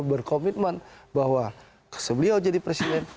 berkomitmen bahwa beliau jadi presiden